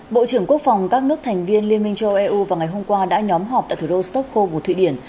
bộ trưởng quốc phòng các nước thành viên liên minh châu âu eu vào ngày hôm qua đã nhóm họp tại thủ đô stockho của thụy điển